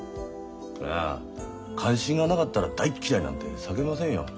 いや関心がなかったら「大っ嫌い」なんて叫びませんよ。